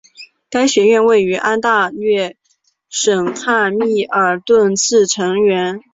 该学院位于安大略省汉密尔顿市成员。